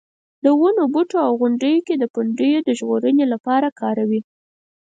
د ونو بوټو او غرونو کې د پنډیو د ژغورنې لپاره کاروي.